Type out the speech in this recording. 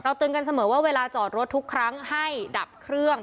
เตือนกันเสมอว่าเวลาจอดรถทุกครั้งให้ดับเครื่อง